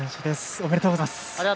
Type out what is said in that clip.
ありがとうございます。